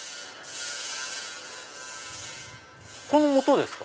この音ですか？